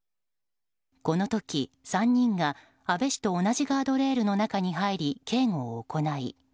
この時、３人が安倍氏と同じガードレールの中に入り警護を行い